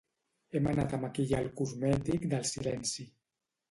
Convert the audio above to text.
Hem anat a maquillar el cosmètic del silenci.